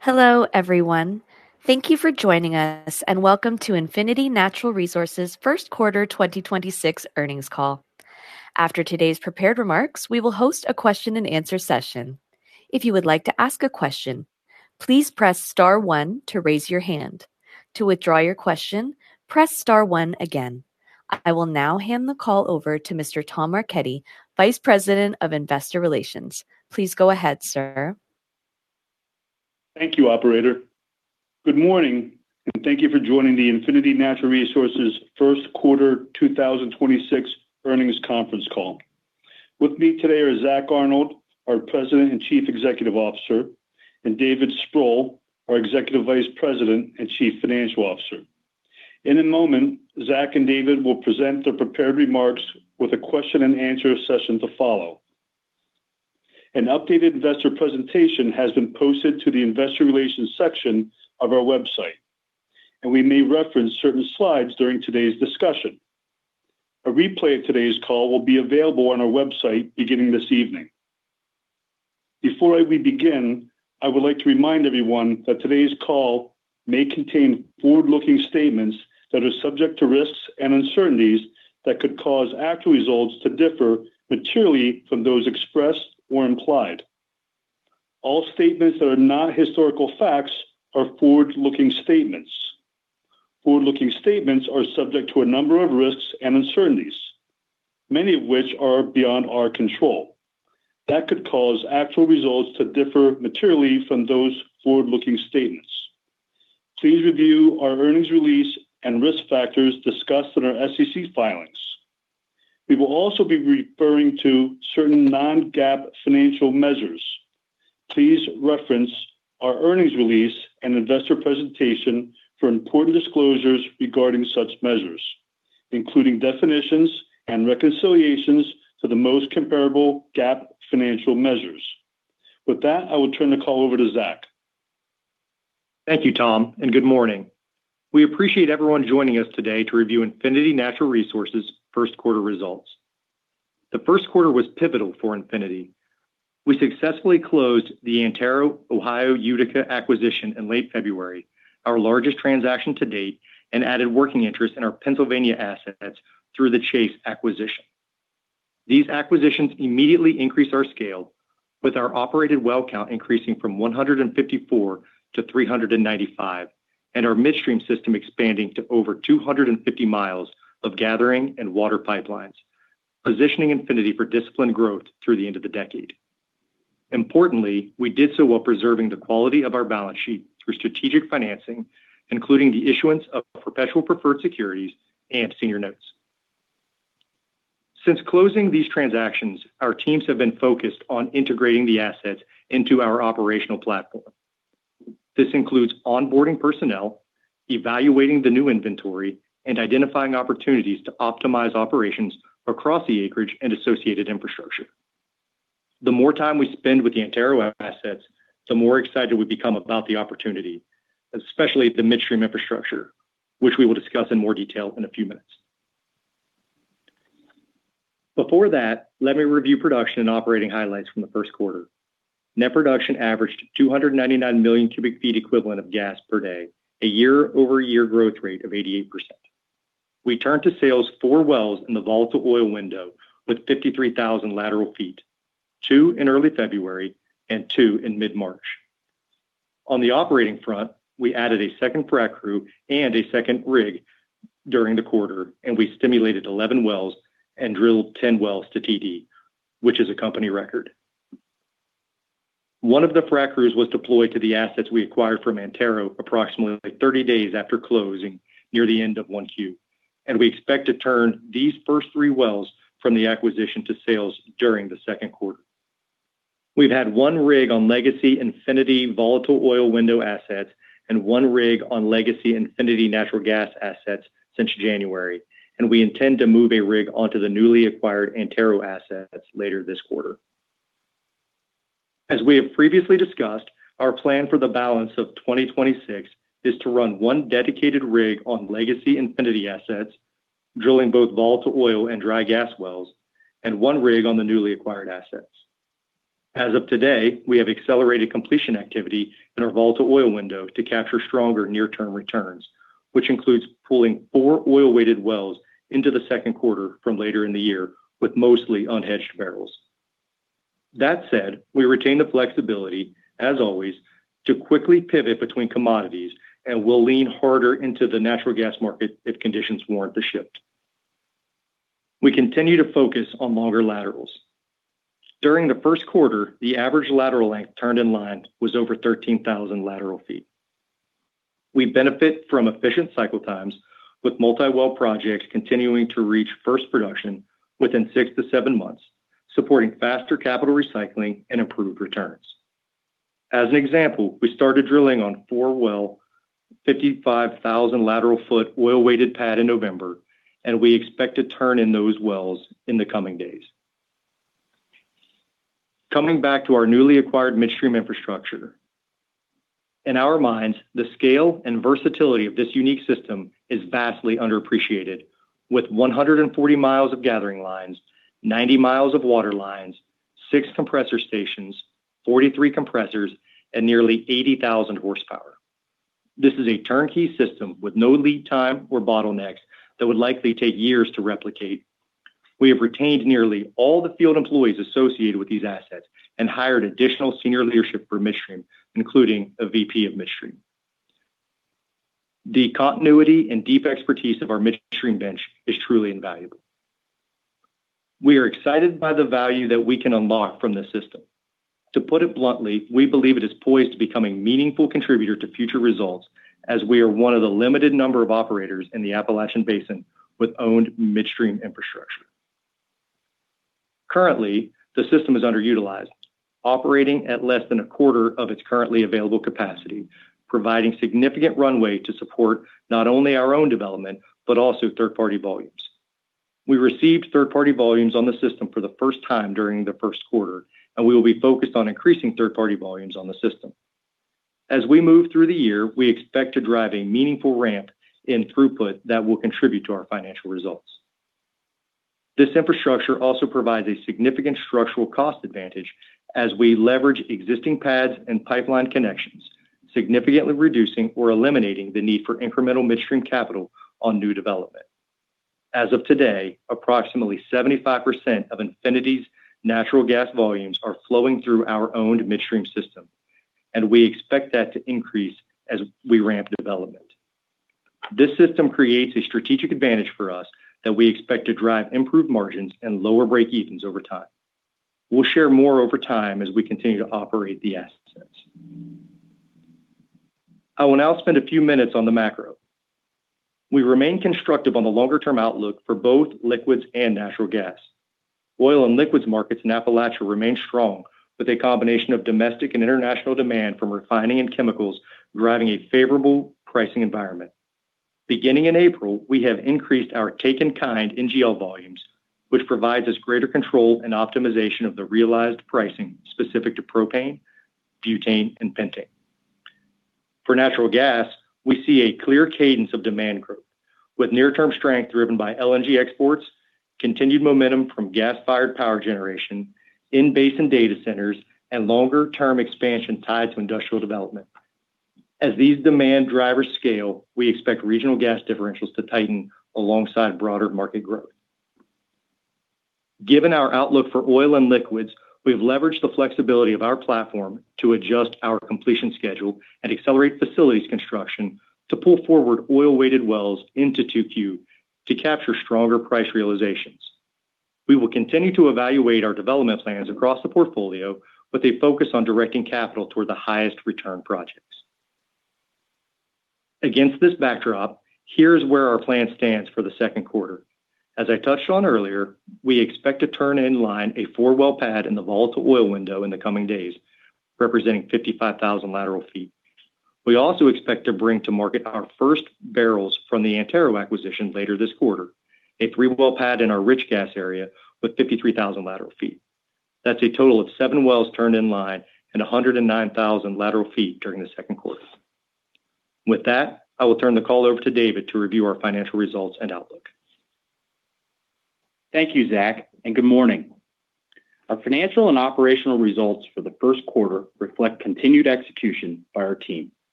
Hello, everyone. Thank you for joining us. Welcome to Infinity Natural Resources first quarter 2026 earnings call. After today's prepared remarks, we will host a question and answer session. If you would like to ask a question, please press star one to raise your hand. To withdraw your question, press star one again. I will now hand the call over to Mr. Thomas Marchetti, Vice President of Investor Relations. Please go ahead, sir. Thank you, operator. Good morning, thank you for joining the Infinity Natural Resources first quarter 2026 earnings conference call. With me today are Zack Arnold, our President and Chief Executive Officer, and David Sproule, our Executive Vice President and Chief Financial Officer. In a moment, Zack and David will present their prepared remarks with a question and answer session to follow. An updated investor presentation has been posted to the investor relations section of our website, we may reference certain slides during today's discussion. A replay of today's call will be available on our website beginning this evening. Before we begin, I would like to remind everyone that today's call may contain forward-looking statements that are subject to risks and uncertainties that could cause actual results to differ materially from those expressed or implied. All statements that are not historical facts are forward-looking statements. Forward-looking statements are subject to a number of risks and uncertainties, many of which are beyond our control. That could cause actual results to differ materially from those forward-looking statements. Please review our earnings release and risk factors discussed in our SEC filings. We will also be referring to certain non-GAAP financial measures. Please reference our earnings release and investor presentation for important disclosures regarding such measures, including definitions and reconciliations to the most comparable GAAP financial measures. With that, I will turn the call over to Zack. Thank you, Tom, and good morning. We appreciate everyone joining us today to review Infinity Natural Resources' first quarter results. The first quarter was pivotal for Infinity. We successfully closed the Antero Ohio Utica acquisition in late February, our largest transaction to date, and added working interest in our Pennsylvania assets through the Chase acquisition. These acquisitions immediately increased our scale with our operated well count increasing from 154 to 395, and our midstream system expanding to over 250 mi of gathering and water pipelines, positioning Infinity for disciplined growth through the end of the decade. Importantly, we did so while preserving the quality of our balance sheet through strategic financing, including the issuance of perpetual preferred securities and senior notes. Since closing these transactions, our teams have been focused on integrating the assets into our operational platform. This includes onboarding personnel, evaluating the new inventory, and identifying opportunities to optimize operations across the acreage and associated infrastructure. The more time we spend with the Antero assets, the more excited we become about the opportunity, especially the midstream infrastructure, which we will discuss in more detail in a few minutes. Before that, let me review production and operating highlights from the first quarter. Net production averaged 299 million cu ft equivalent of gas per day, a year-over-year growth rate of 88%. We turned to sales four wells in the volatile oil window with 53,000 lateral ft, two in early February and two in mid-March. On the operating front, we added a second frac crew and a second rig during the quarter, and we stimulated 11 wells and drilled 10 wells to TD, which is a company record. One of the frac crews was deployed to the assets we acquired from Antero approximately 30 days after closing near the end of 1Q. We expect to turn these first three wells from the acquisition to sales during the second quarter. We've had one rig on legacy Infinity volatile oil window assets and one rig on legacy Infinity natural gas assets since January. We intend to move a rig onto the newly acquired Antero assets later this quarter. As we have previously discussed, our plan for the balance of 2026 is to run one dedicated rig on legacy Infinity assets, drilling both volatile oil and dry gas wells, and one rig on the newly acquired assets. As of today, we have accelerated completion activity in our volatile oil window to capture stronger near-term returns, which includes pulling four oil-weighted wells into the second quarter from later in the year with mostly unhedged barrels. That said, we retain the flexibility, as always, to quickly pivot between commodities and will lean harder into the natural gas market if conditions warrant the shift. We continue to focus on longer laterals. During the first quarter, the average lateral length turned in line was over 13,000 lateral ft. We benefit from efficient cycle times with multi-well projects continuing to reach first production within six to seven months, supporting faster capital recycling and improved returns. As an example, we started drilling on four well 55,000 lateral ft oil-weighted pad in November, and we expect to turn in those wells in the coming days. Coming back to our newly acquired midstream infrastructure. In our minds, the scale and versatility of this unique system is vastly underappreciated. With 140 mi of gathering lines, 90 mi of water lines, six compressor stations, 43 compressors, and nearly 80,000 horsepower. This is a turnkey system with no lead time or bottlenecks that would likely take years to replicate. We have retained nearly all the field employees associated with these assets and hired additional senior leadership for midstream, including a VP of midstream. The continuity and deep expertise of our midstream bench is truly invaluable. We are excited by the value that we can unlock from the system. To put it bluntly, we believe it is poised to becoming meaningful contributor to future results as we are one of the limited number of operators in the Appalachian Basin with owned midstream infrastructure. Currently, the system is underutilized, operating at less than a quarter of its currently available capacity, providing significant runway to support not only our own development, but also third-party volumes. We received third-party volumes on the system for the first time during the first quarter, and we will be focused on increasing third-party volumes on the system. As we move through the year, we expect to drive a meaningful ramp in throughput that will contribute to our financial results. This infrastructure also provides a significant structural cost advantage as we leverage existing pads and pipeline connections, significantly reducing or eliminating the need for incremental midstream capital on new development. As of today, approximately 75% of Infinity's natural gas volumes are flowing through our owned midstream system, and we expect that to increase as we ramp development. This system creates a strategic advantage for us that we expect to drive improved margins and lower breakevens over time. We'll share more over time as we continue to operate the assets. I will now spend a few minutes on the macro. We remain constructive on the longer term outlook for both liquids and natural gas. Oil and liquids markets in Appalachia remain strong with a combination of domestic and international demand from refining and chemicals driving a favorable pricing environment. Beginning in April, we have increased our take-in-kind NGL volumes, which provides us greater control and optimization of the realized pricing specific to propane, butane, and pentane. For natural gas, we see a clear cadence of demand growth with near term strength driven by LNG exports, continued momentum from gas-fired power generation in basin data centers and longer term expansion tied to industrial development. As these demand drivers scale, we expect regional gas differentials to tighten alongside broader market growth. Given our outlook for oil and liquids, we've leveraged the flexibility of our platform to adjust our completion schedule and accelerate facilities construction to pull forward oil-weighted wells into 2Q to capture stronger price realizations. We will continue to evaluate our development plans across the portfolio with a focus on directing capital toward the highest return projects. Against this backdrop, here's where our plan stands for the second quarter. As I touched on earlier, we expect to turn in line a four-well pad in the volatile oil window in the coming days, representing 55,000 lateral ft. We also expect to bring to market our first barrels from the Antero acquisition later this quarter, a three-well pad in our rich gas area with 53,000 lateral ft. That's a total of seven wells turned in line and 109,000 lateral ft during the second quarter. With that, I will turn the call over to David to review our financial results and outlook. Thank you, Zack, and good morning. Our financial and operational results for the first quarter reflect continued execution by our team.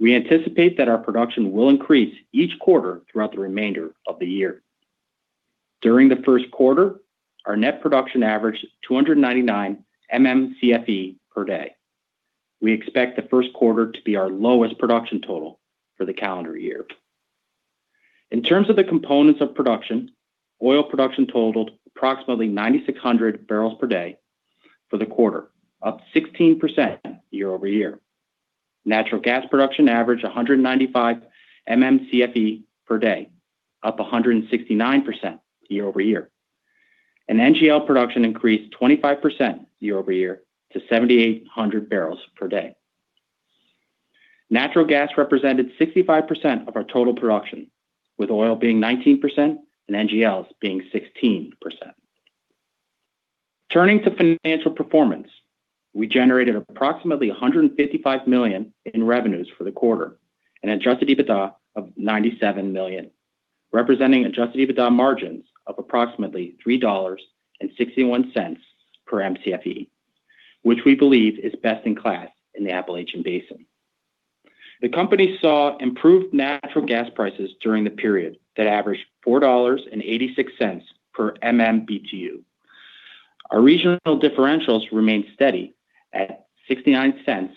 We anticipate that our production will increase each quarter throughout the remainder of the year. During the first quarter, our net production averaged 299 MMCFE per day. We expect the first quarter to be our lowest production total for the calendar year. In terms of the components of production, oil production totaled approximately 9,600 bpd for the quarter, up 16% year-over-year. Natural gas production averaged 195 MMCFE per day, up 169% year-over-year. NGL production increased 25% year-over-year to 7,800 bpd. Natural gas represented 65% of our total production, with oil being 19% and NGLs being 16%. Turning to financial performance, we generated approximately $155 million in revenues for the quarter and adjusted EBITDA of $97 million, representing adjusted EBITDA margins of approximately $3.61 per MCFE, which we believe is best in class in the Appalachian Basin. The company saw improved natural gas prices during the period that averaged $4.86 per MMBTU. Our regional differentials remained steady at $0.69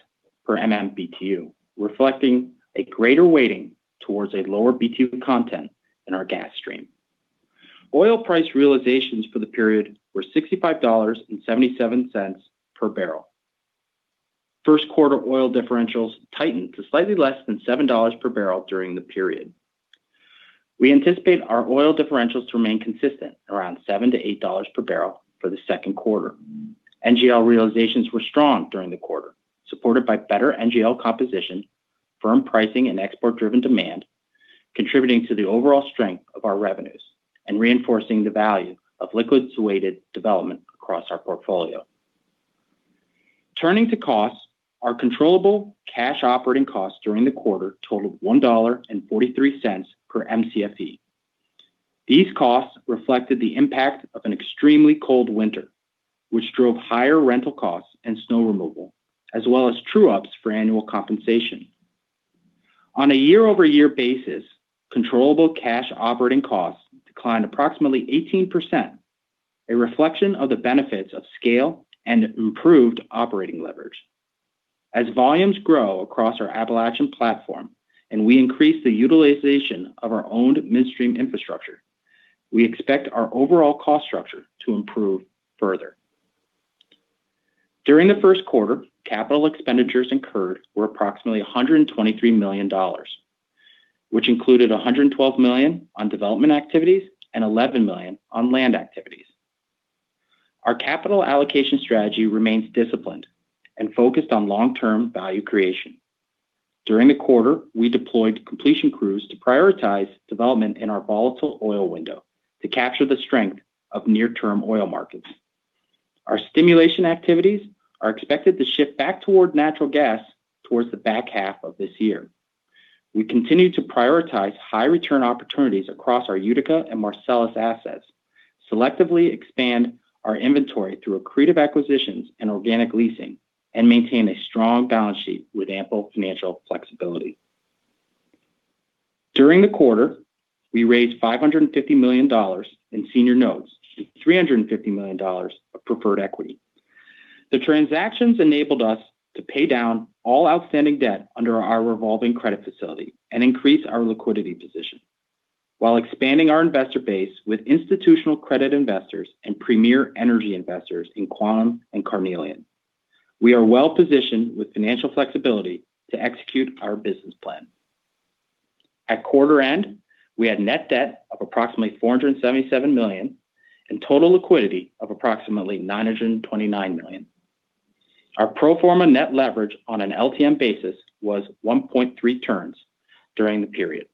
per MMBTU, reflecting a greater weighting towards a lower BTU content in our gas stream. Oil price realizations for the period were $65.77 per barrel. First quarter oil differentials tightened to slightly less than $7 per barrel during the period. We anticipate our oil differentials to remain consistent around $7-$8 per barrel for the second quarter. NGL realizations were strong during the quarter, supported by better NGL composition, firm pricing and export-driven demand. Contributing to the overall strength of our revenues and reinforcing the value of liquids-weighted development across our portfolio. Turning to costs, our controllable cash operating costs during the quarter totaled $1.43 per Mcfe. These costs reflected the impact of an extremely cold winter, which drove higher rental costs and snow removal, as well as true-ups for annual compensation. On a year-over-year basis, controllable cash operating costs declined approximately 18%, a reflection of the benefits of scale and improved operating leverage. As volumes grow across our Appalachian platform and we increase the utilization of our owned midstream infrastructure, we expect our overall cost structure to improve further. During the first quarter, capital expenditures incurred were approximately $123 million, which included $112 million on development activities and $11 million on land activities. Our capital allocation strategy remains disciplined and focused on long-term value creation. During the quarter, we deployed completion crews to prioritize development in our volatile oil window to capture the strength of near-term oil markets. Our stimulation activities are expected to shift back toward natural gas towards the back half of this year. We continue to prioritize high return opportunities across our Utica and Marcellus assets, selectively expand our inventory through accretive acquisitions and organic leasing, and maintain a strong balance sheet with ample financial flexibility. During the quarter, we raised $550 million in senior notes, $350 million of preferred equity. The transactions enabled us to pay down all outstanding debt under our revolving credit facility and increase our liquidity position. While expanding our investor base with institutional credit investors and premier energy investors in Quantum and Carnelian. We are well-positioned with financial flexibility to execute our business plan. At quarter end, we had net debt of approximately $477 million and total liquidity of approximately $929 million. Our pro forma net leverage on an LTM basis was 1.3 turns during the period.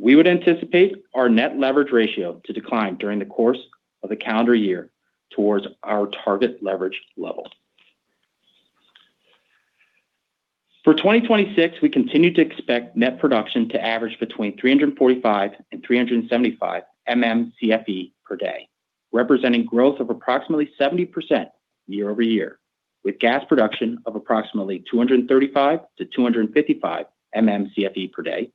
We would anticipate our net leverage ratio to decline during the course of the calendar year towards our target leverage level. For 2026, we continue to expect net production to average between 345 and 375 MMCFE per day, representing growth of approximately 70% year-over-year, with gas production of approximately 235 to 255 MMCFE per day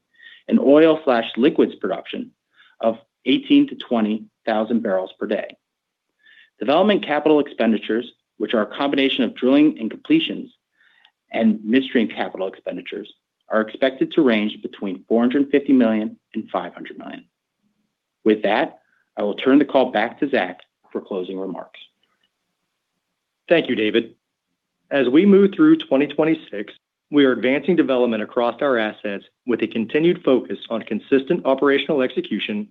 and oil/liquids production of 18 to 20,000 bpd. Development capital expenditures, which are a combination of drilling and completions and midstream capital expenditures, are expected to range between $450 million and $500 million. With that, I will turn the call back to Zack for closing remarks. Thank you, David. As we move through 2026, we are advancing development across our assets with a continued focus on consistent operational execution,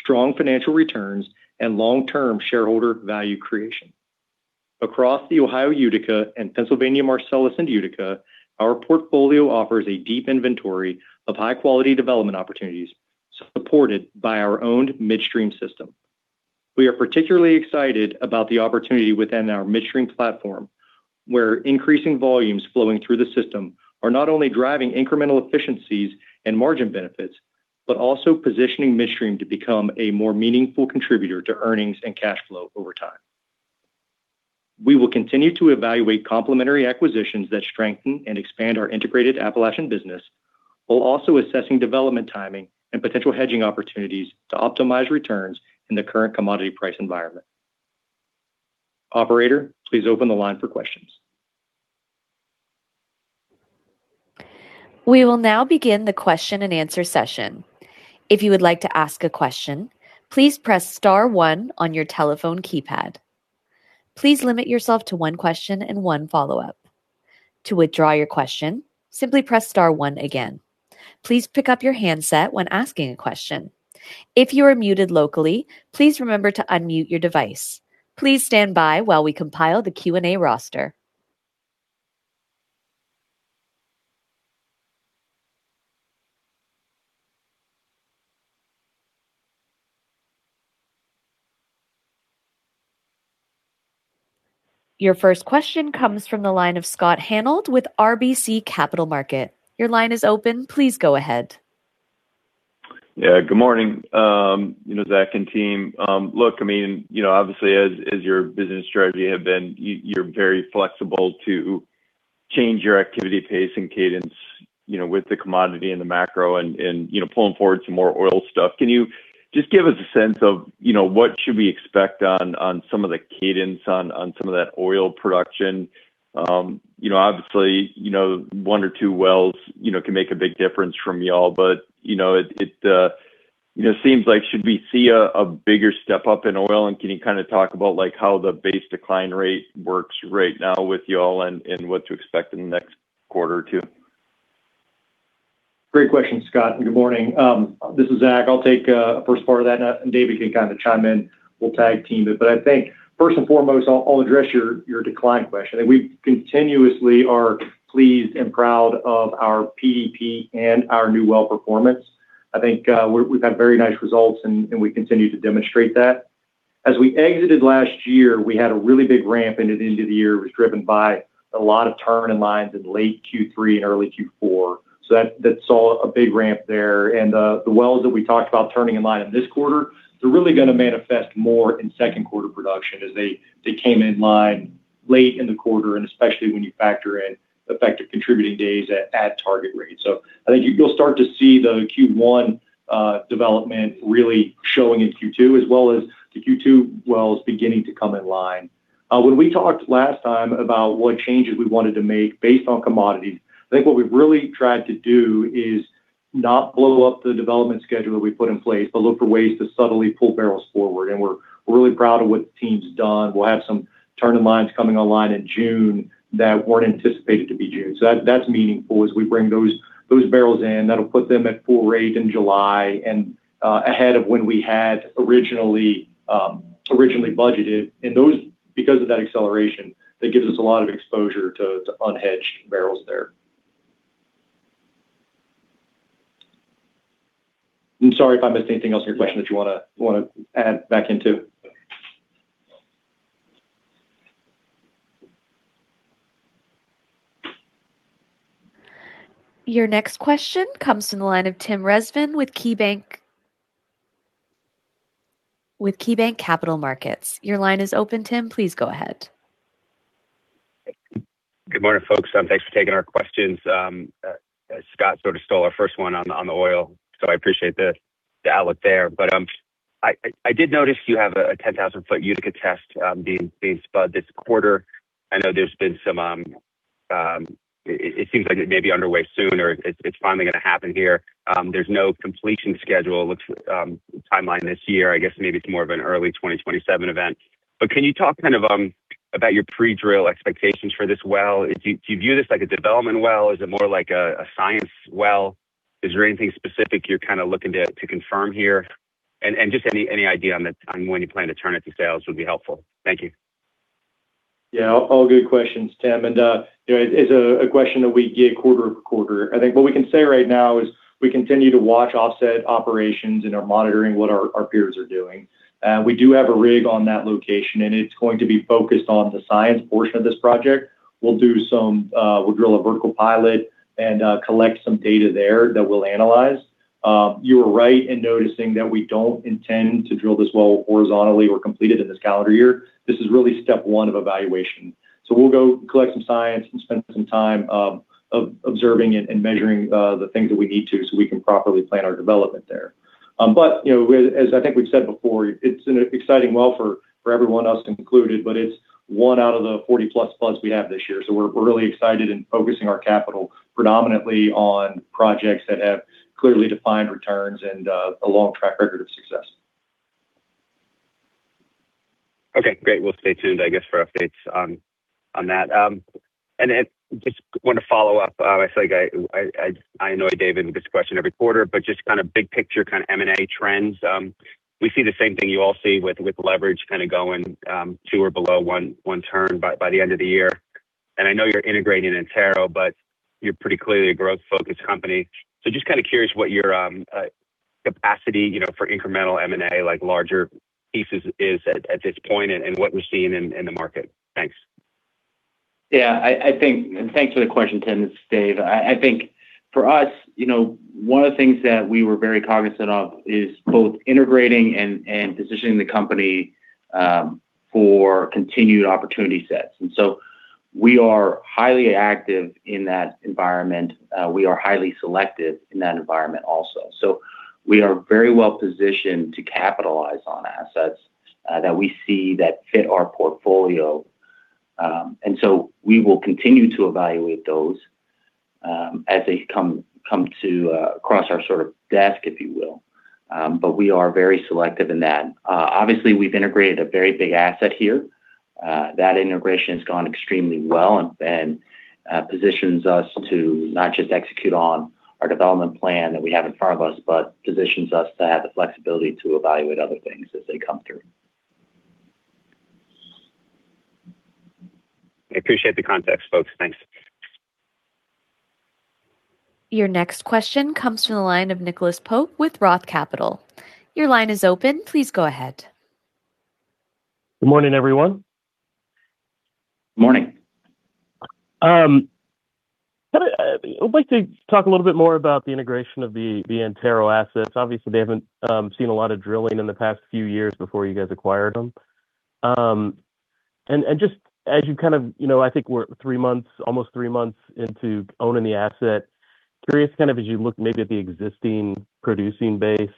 strong financial returns, and long-term shareholder value creation. Across the Ohio Utica and Pennsylvania Marcellus and Utica, our portfolio offers a deep inventory of high-quality development opportunities supported by our owned midstream system. We are particularly excited about the opportunity within our midstream platform, where increasing volumes flowing through the system are not only driving incremental efficiencies and margin benefits, but also positioning midstream to become a more meaningful contributor to earnings and cash flow over time. We will continue to evaluate complementary acquisitions that strengthen and expand our integrated Appalachian business, while also assessing development timing and potential hedging opportunities to optimize returns in the current commodity price environment. Operator, please open the line for questions. We will now begin the question and answer session. If you would like to ask a question, please press star one on your telephone keypad. Please limit yourself to one question and one follow-up. To widraw your question, simply press star one again. Please pick up your handset when asking a question. If you are muted locally, please remember to unmute your device. Please stand by while we compile a Q&A roster. Your first question comes from the line of Scott Hanold with RBC Capital Markets. Your line is open. Please go ahead. Good morning, you know, Zack and team. Look, I mean, you know, obviously, as your business strategy have been, you're very flexible to change your activity pace and cadence, you know, with the commodity and the macro and, you know, pulling forward some more oil stuff. Can you just give us a sense of, you know, what should we expect on some of the cadence on some of that oil production? You know, obviously, you know, one or two wells, you know, can make a big difference from y'all. You know, it, you know, seems like should we see a bigger step up in oil? Can you kinda talk about like how the base decline rate works right now with y'all and what to expect in the next quarter or two? Great question, Scott, and good morning. This is Zack. I'll take, first part of that, and David can kind of chime in. We'll tag team it. I think first and foremost, I'll address your decline question. I think we continuously are pleased and proud of our PDP and our new well performance. I think, we've had very nice results, and we continue to demonstrate that. As we exited last year, we had a really big ramp into the end of the year. It was driven by a lot of turn-in-lines in late Q3 and early Q4. That saw a big ramp there. The wells that we talked about turning in line in this quarter, they're really gonna manifest more in second quarter production as they came in line late in the quarter, and especially when you factor in effective contributing days at target rates. I think you'll start to see the Q1 development really showing in Q2 as well as the Q2 wells beginning to come in line. When we talked last time about what changes we wanted to make based on commodities, I think what we've really tried to do is not blow up the development schedule we put in place, but look for ways to subtly pull barrels forward. We're really proud of what the team's done. We'll have some turn-in-lines coming online in June that weren't anticipated to be June. That's meaningful as we bring those barrels in. That'll put them at full rate in July and ahead of when we had originally budgeted. Because of that acceleration, that gives us a lot of exposure to unhedged barrels there. I'm sorry if I missed anything else in your question that you wanna add back into. Your next question comes from the line of Tim Rezvan with KeyBanc Capital Markets. Your line is open, Tim. Please go ahead. Good morning, folks. Thanks for taking our questions. Scott sort of stole our first one on the oil. I appreciate the outlook there. I did notice you have a 10,000 ft Utica test being spud this quarter. I know there's been some. It seems like it may be underway soon or it's finally going to happen here. There's no completion schedule. It looks timeline this year, I guess maybe it's more of an early 2027 event. Can you talk kind of about your pre-drill expectations for this well? Do you view this like a development well? Is it more like a science well? Is there anything specific you're kind of looking to confirm here? Just any idea on when you plan to turn it to sales would be helpful. Thank you. Yeah. All good questions, Tim. You know, it's a question that we get quarter-over-quarter. I think what we can say right now is we continue to watch offset operations and are monitoring what our peers are doing. We do have a rig on that location, and it's going to be focused on the science portion of this project. We'll drill a vertical pilot and collect some data there that we'll analyze. You were right in noticing that we don't intend to drill this well horizontally or complete it in this calendar year. This is really step 1 of evaluation. We'll go collect some science and spend some time observing and measuring the things that we need to, so we can properly plan our development there. You know, as I think we've said before, it's an exciting well for everyone else concluded, it's one out of the 40+ funds we have this year. We're really excited and focusing our capital predominantly on projects that have clearly defined returns and a long track record of success. Okay, great. We'll stay tuned, I guess, for updates on that. Just want to follow up. I feel like I annoy Dave in this question every quarter, but just kind of big picture, kind of M&A trends. We see the same thing you all see with leverage kind of going two or below one turn by the end of the year. I know you're integrating Antero, but you're pretty clearly a growth-focused company. Just kind of curious what your capacity, you know, for incremental M&A, like larger pieces is at this point and what we're seeing in the market. Thanks. Yeah. I think. Thanks for the question, Tim. This is David. I think for us, you know, one of the things that we were very cognizant of is both integrating and positioning the company for continued opportunity sets. We are highly active in that environment. We are highly selective in that environment also. We are very well-positioned to capitalize on assets that we see that fit our portfolio. We will continue to evaluate those as they come to across our sort of desk, if you will. We are very selective in that. Obviously, we've integrated a very big asset here. That integration has gone extremely well and positions us to not just execute on our development plan that we have in front of us, but positions us to have the flexibility to evaluate other things as they come through. I appreciate the context, folks. Thanks. Your next question comes from the line of Nicholas Pope with Roth Capital. Your line is open. Please go ahead. Good morning, everyone. Morning. I would like to talk a little bit more about the integration of the Antero assets. Obviously, they haven't seen a lot of drilling in the past few years before you guys acquired them. Just as you know, I think we're three months, almost three months into owning the asset. Curious as you look maybe at the existing producing base,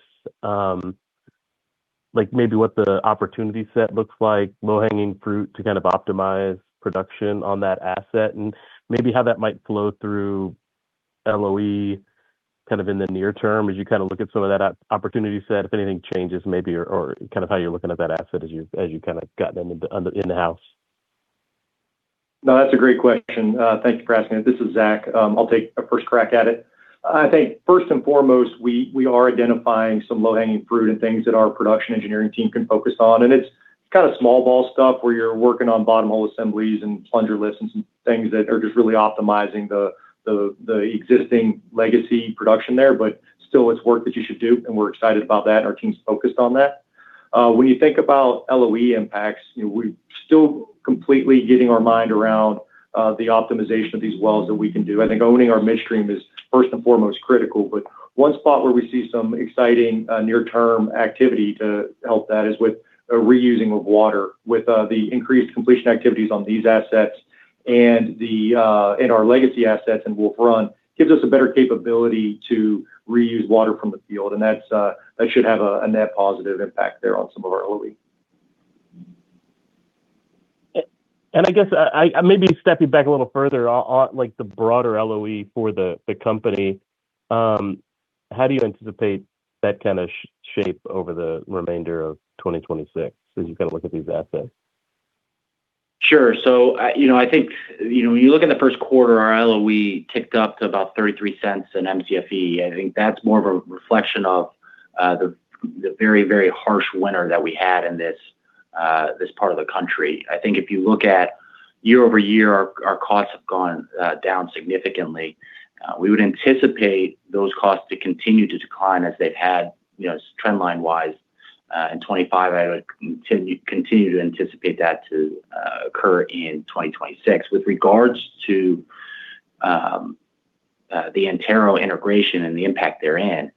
like maybe what the opportunity set looks like, low-hanging fruit to optimize production on that asset and maybe how that might flow through LOE in the near term as you look at some of that opportunity set, if anything changes maybe or how you're looking at that asset as you gotten in the house. No, that's a great question. Thank you for asking it. This is Zack. I'll take a first crack at it. I think first and foremost, we are identifying some low-hanging fruit and things that our production engineering team can focus on. It's kind of small ball stuff where you're working on bottom hole assemblies and plunger lifts and some things that are just really optimizing the existing legacy production there. Still it's work that you should do, and we're excited about that, and our team's focused on that. When you think about LOE impacts, you know, we're still completely getting our mind around the optimization of these wells that we can do. I think owning our midstream is first and foremost critical. One spot where we see some exciting near-term activity to help that is with a reusing of water. With the increased completion activities on these assets and our legacy assets in Wolf Run gives us a better capability to reuse water from the field. That should have a net positive impact there on some of our LOE. I guess I maybe stepping back a little further, on like the broader LOE for the company. How do you anticipate that kind of shape over the remainder of 2026 as you kind of look at these assets? Sure. You know, I think, you know, when you look in the first quarter, our LOE ticked up to about $0.33 in MCFE. I think that's more of a reflection of the very, very harsh winter that we had in this part of the country. I think if you look at year-over-year, our costs have gone down significantly. We would anticipate those costs to continue to decline as they've had, you know, trendline-wise, in 2025. I would continue to anticipate that to occur in 2026. With regards to the Antero integration and the impact therein,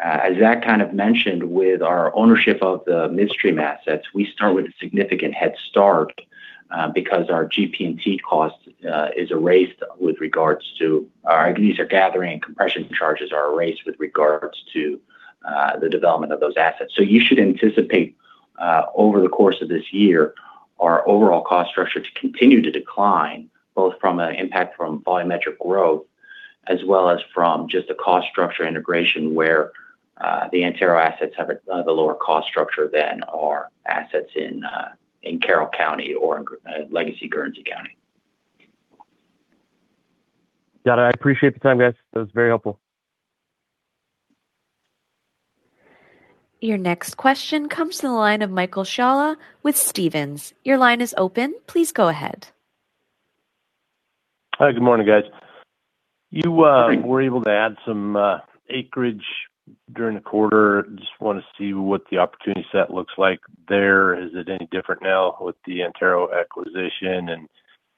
as Zack kind of mentioned with our ownership of the midstream assets, we start with a significant head start, because our GP&T cost is erased with regards to These are gathering and compression charges are erased with regards to the development of those assets. So you should anticipate over the course of this year, our overall cost structure to continue to decline, both from an impact from volumetric growth as well as from just a cost structure integration where the Antero assets have a, the lower cost structure than our assets in Carroll County or in legacy Guernsey County. Got it. I appreciate the time, guys. That was very helpful. Your next question comes to the line of Michael Scialla with Stephens. Hi. Good morning, guys. Good morning. You were able to add some acreage during the quarter. Just wanna see what the opportunity set looks like there. Is it any different now with the Antero acquisition?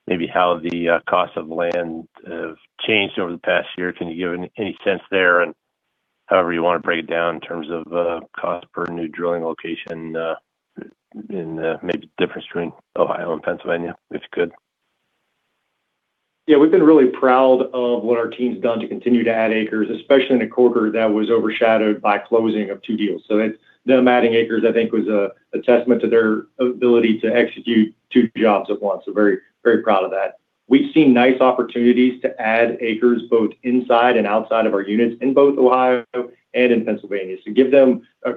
Maybe how the cost of land have changed over the past year. Can you give any sense there? However you wanna break it down in terms of cost per new drilling location, in maybe difference between Ohio and Pennsylvania if you could. Yeah. We've been really proud of what our team's done to continue to add acres, especially in a quarter that was overshadowed by closing of two deals. It's them adding acres, I think, was a testament to their ability to execute two jobs at once. Very proud of that. We've seen nice opportunities to add acres both inside and outside of our units in both Ohio and in Pennsylvania. Give them a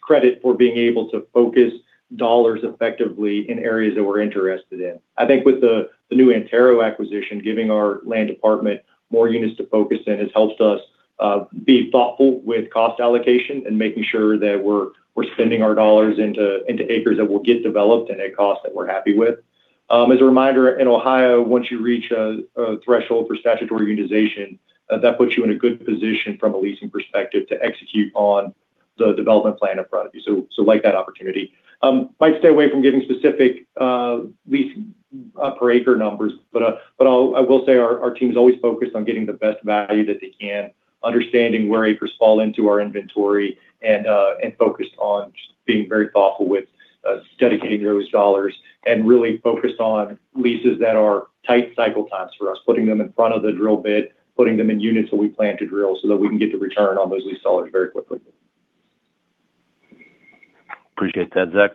credit for being able to focus dollars effectively in areas that we're interested in. I think with the new Antero acquisition, giving our land department more units to focus in has helped us be thoughtful with cost allocation and making sure that we're spending our dollars into acres that will get developed and at costs that we're happy with. As a reminder, in Ohio, once you reach a threshold for statutory unitization, that puts you in a good position from a leasing perspective to execute on the development plan in front of you. Like that opportunity. Might stay away from giving specific lease per acre numbers. I will say our team's always focused on getting the best value that they can, understanding where acres fall into our inventory, and focused on just being very thoughtful with dedicating those dollars, and really focused on leases that are tight cycle times for us, putting them in front of the drill bit, putting them in units that we plan to drill so that we can get the return on those lease dollars very quickly. Appreciate that, Zack.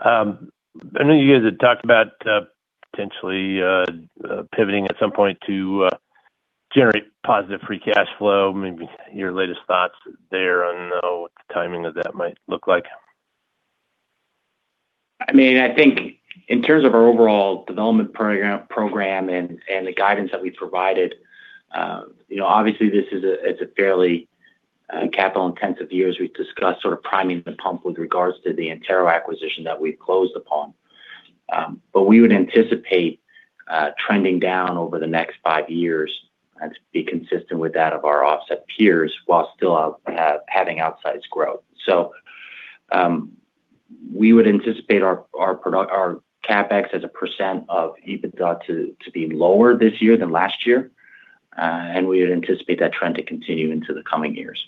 I know you guys had talked about potentially pivoting at some point to generate positive free cash flow. Maybe your latest thoughts there on what the timing of that might look like. I mean, I think in terms of our overall development program and the guidance that we provided, you know, obviously it's a fairly capital-intensive year as we've discussed, sort of priming the pump with regards to the Antero acquisition that we've closed upon. We would anticipate trending down over the next five years and to be consistent with that of our offset peers while still having outsized growth. We would anticipate our CapEx as a percent of EBITDA to be lower this year than last year, and we would anticipate that trend to continue into the coming years.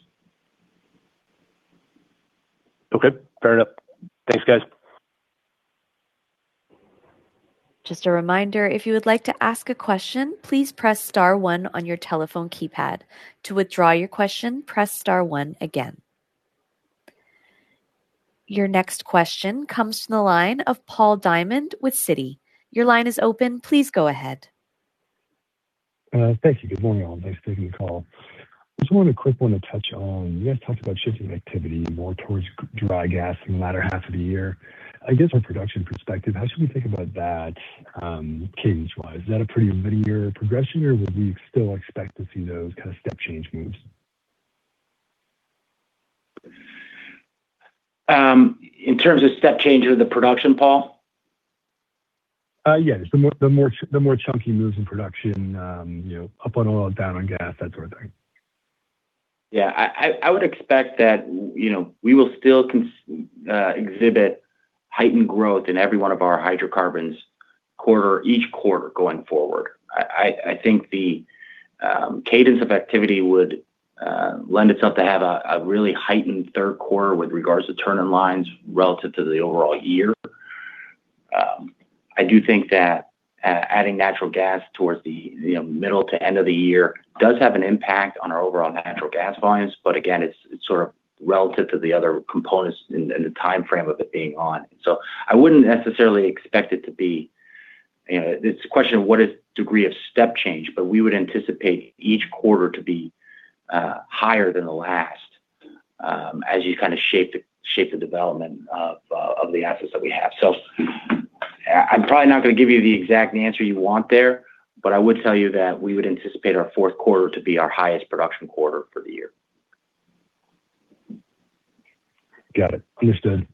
Okay. Fair enough. Thanks, guys. Just a reminder, if you would like to ask a question, please press star one on your telephone keypad. To withdraw your question, press star one again. Your next question comes from the line of Paul Diamond with Citi. Your line is open. Please go ahead. Thank you. Good morning, all. Thanks for taking the call. I just wanted a quick one to touch on. You guys talked about shifting activity more towards dry gas in the latter half of the year. I guess from a production perspective, how should we think about that, cadence-wise? Is that a pretty linear progression, or would we still expect to see those kind of step change moves? In terms of step changes in the production, Paul? Yes. The more chunky moves in production, you know, up on oil, down on gas, that sort of thing. Yeah. I would expect that, you know, we will still exhibit heightened growth in every one of our hydrocarbons each quarter going forward. I think the cadence of activity would lend itself to have a really heightened third quarter with regards to turning lines relative to the overall year. I do think that adding natural gas towards the, you know, middle to end of the year does have an impact on our overall natural gas volumes. Again, it's sort of relative to the other components and the timeframe of it being on. I wouldn't necessarily expect it to be, you know. It's a question of what is degree of step change, but we would anticipate each quarter to be higher than the last, as you kind of shape the development of the assets that we have. I'm probably not gonna give you the exact answer you want there, but I would tell you that we would anticipate our fourth quarter to be our highest production quarter for the year. Got it. Understood.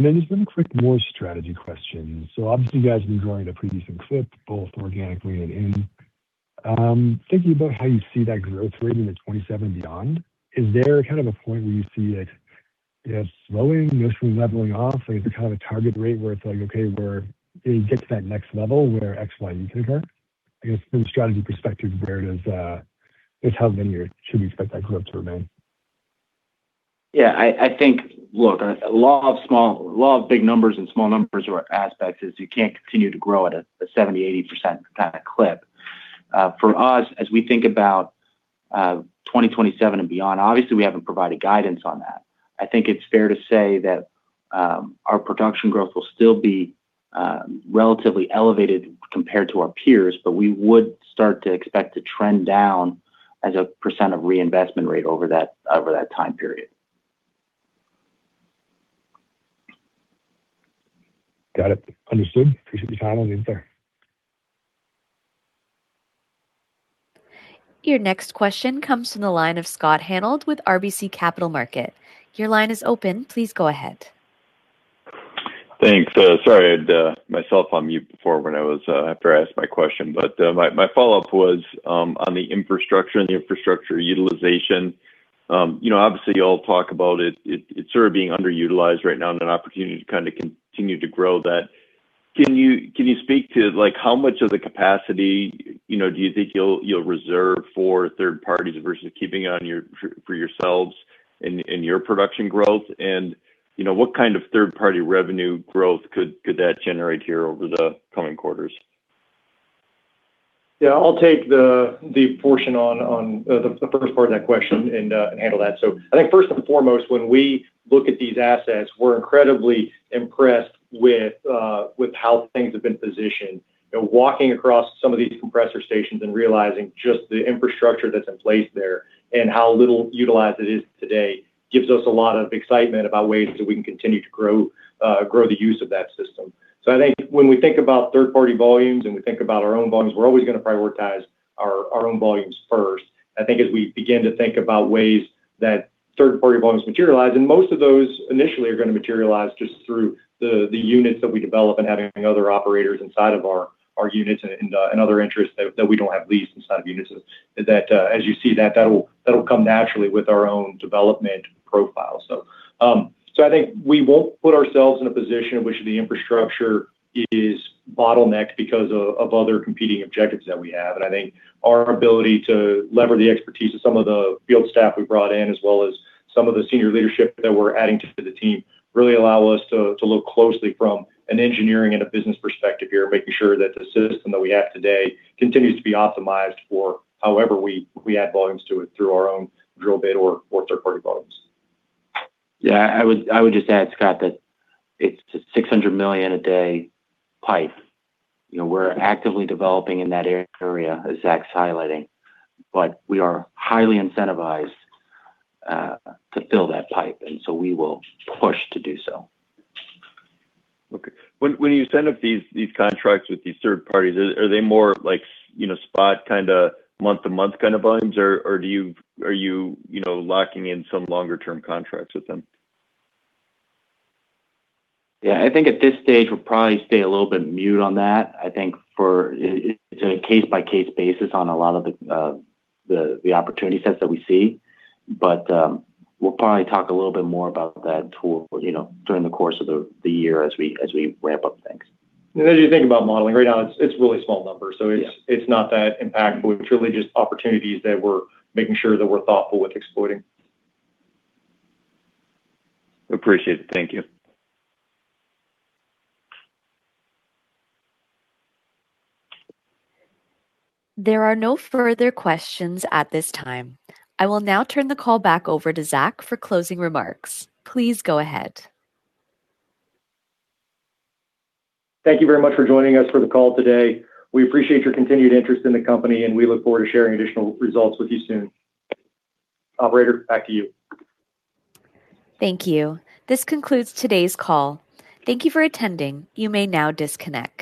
Just one quick more strategy question. Obviously you guys have been growing at a pretty decent clip, both organically and in. Thinking about how you see that growth rate into 2027 and beyond, is there kind of a point where you see it, you know, slowing, eventually leveling off? Like, is there kind of a target rate where it's like, okay, it gets to that next level where X, Y, and Z occur? I guess from a strategy perspective, where does Just how linear should we expect that growth to remain? I think, look, a lot of big numbers and small numbers or aspects is you can't continue to grow at a 70%, 80% kind of clip. For us, as we think about 2027 and beyond, obviously we haven't provided guidance on that. I think it's fair to say that our production growth will still be relatively elevated compared to our peers, but we would start to expect to trend down as a percent of reinvestment rate over that time period. Got it. Understood. Appreciate your time. Answer. Your next question comes from the line of Scott Hanold with RBC Capital Markets. Your line is open. Please go ahead. Thanks. Sorry, I had myself on mute before when I was after I asked my question. My follow-up was on the infrastructure and the infrastructure utilization. You know, obviously you all talk about it. It's sort of being underutilized right now and an opportunity to kind of continue to grow that. Can you speak to, like, how much of the capacity, you know, do you think you'll reserve for third parties versus keeping it for yourselves in your production growth? You know, what kind of third-party revenue growth could that generate here over the coming quarters? Yeah. I'll take the portion on the first part of that question and handle that. I think first and foremost, when we look at these assets, we're incredibly impressed with how things have been positioned. You know, walking across some of these compressor stations and realizing just the infrastructure that's in place there and how little utilized it is today gives us a lot of excitement about ways that we can continue to grow the use of that system. I think when we think about third-party volumes and we think about our own volumes, we're always gonna prioritize our own volumes first. I think as we begin to think about ways that third-party volumes materialize, most of those initially are gonna materialize just through the units that we develop and having other operators inside of our units and other interests that we don't have leased inside of units. Is that, as you see that'll come naturally with our own development profile. so I think we won't put ourselves in a position in which the infrastructure is bottlenecked because of other competing objectives that we have. I think our ability to lever the expertise of some of the field staff we've brought in, as well as some of the senior leadership that we're adding to the team, really allow us to look closely from an engineering and a business perspective here, making sure that the system that we have today continues to be optimized for however we add volumes to it through our own drill bit or third-party volumes. Yeah. I would just add, Scott, that it's a 600 million a day pipe. You know, we're actively developing in that area, as Zack's highlighting. We are highly incentivized to fill that pipe, and so we will push to do so. Okay. When you stand up these contracts with these third parties, are they more like, you know, spot kinda month-to-month kind of volumes? Or are you know, locking in some longer-term contracts with them? Yeah. I think at this stage we'll probably stay a little bit mute on that. I think it's on a case-by-case basis on a lot of the opportunity sets that we see. We'll probably talk a little bit more about that too, you know, during the course of the year as we, as we ramp up things. as you think about modeling, right now it's really small numbers. Yeah. It's not that impactful. It's really just opportunities that we're making sure that we're thoughtful with exploiting. Appreciate it. Thank you. There are no further questions at this time. I will now turn the call back over to Zack for closing remarks. Please go ahead. Thank you very much for joining us for the call today. We appreciate your continued interest in the company, and we look forward to sharing additional results with you soon. Operator, back to you. Thank you. This concludes today's call. Thank you for attending. You may now disconnect.